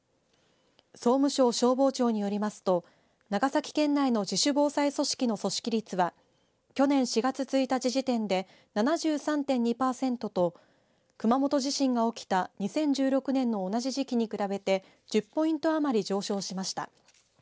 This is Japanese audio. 総務省消防庁によりますと長崎県内の自主防災組織の組織率は去年４月１日時点で７３．２パーセントと熊本地震が起きた２０１６年の同じ時期に比べて１０ポイントあまり上昇しました。